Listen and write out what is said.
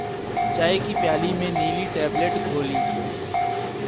چائے کی پیالی میں نیلی ٹیبلٹ گھولی